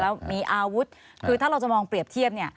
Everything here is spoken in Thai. แล้วมีอาวุธคือถ้าเราจะมองเปรียบเทียบเนี่ย